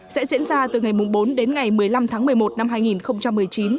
sẽ diễn ra từ ngày bốn đến ngày một mươi năm tháng một mươi một năm hai nghìn một mươi chín